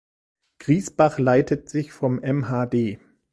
Griesbach leitet sich vom mhd.